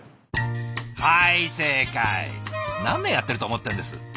何年やってると思ってるんです。